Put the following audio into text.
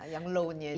yang loan nya juga